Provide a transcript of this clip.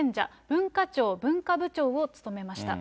文化庁文化部長を務めました。